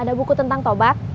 ada buku tentang tobat